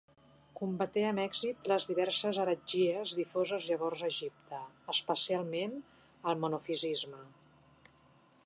Combaté amb èxit les diverses heretgies difoses llavors a Egipte, especialment el monofisisme.